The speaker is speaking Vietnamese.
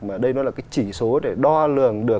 mà đây nó là cái chỉ số để đo lường được